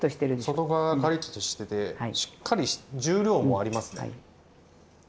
外側がカリッとしててしっかり重量もありますね。